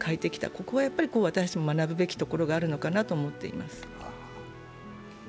ここなんかも私たちも学ぶべきことがあるのかなと思っています。